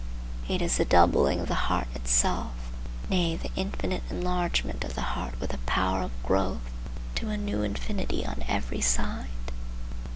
It is the doubling of the heart itself, nay, the infinite enlargement of the heart with a power of growth to a new infinity on every side.